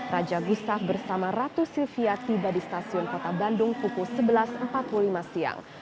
raja gustaf bersama ratu sylvia tiba di stasiun kota bandung pukul sebelas empat puluh lima siang